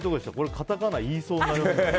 カタカナ言いそうになりました。